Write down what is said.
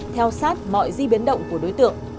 theo sát mọi di biến động của đối tượng